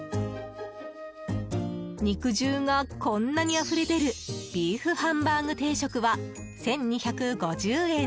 肉汁が、こんなにあふれ出るビーフハンバーグ定食は１２５０円。